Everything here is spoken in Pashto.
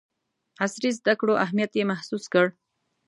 عصري زدکړو اهمیت یې محسوس کړ.